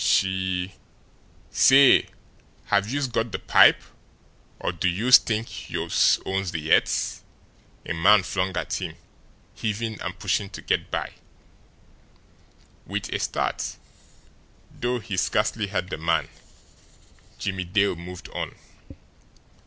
She "Say, have youse got de pip, or do youse t'ink youse owns de earth!" a man flung at him, heaving and pushing to get by. With a start, though he scarcely heard the man, Jimmie Dale moved on.